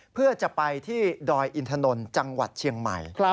เพื่อจะไปที่ดอยอินทนนท์จังหวัดเชียงใหม่